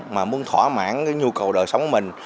mà muốn thỏa mãn cái nhu cầu đời sống mình